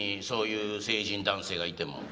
そういう成人男性がいても。